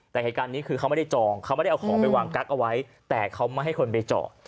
แต่เหตุการณ์นี้คือเขาไม่ได้จองเขาไม่ได้เอาของไปวางกั๊กเอาไว้แต่เขาไม่ให้คนไปจอง